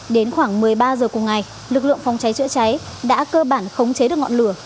đến khoảng một mươi ba h cùng ngày lực lượng phòng cháy chữa cháy đã cơ bản khống chế được ngọn lửa